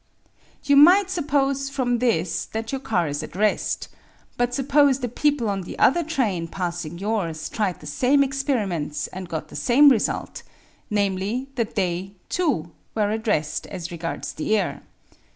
You might suppose from this that your car is at rest, but suppose the people on the other train passing yours tried the same experiments and got the same result, namely, that they, too, were at rest as regards the air.